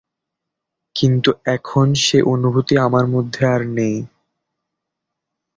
কিন্তু এখন সে অনুভূতি আমার মধ্যে আর নেই।